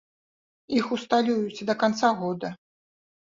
Іх усталююць да канца года.